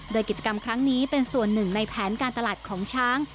โดยกิจกรรมครั้งนี้เป็นส่วนหนึ่งในแผนการตลาดของช้าง